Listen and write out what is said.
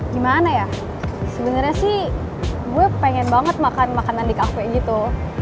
gimana ya sebenarnya sih gue pengen banget makan makanan di kafe gitu